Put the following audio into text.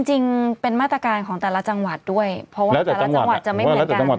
จริงเป็นมาตรการของแต่ละจังหวัดด้วยเพราะว่าแต่ละจังหวัดจะไม่เหมือนกัน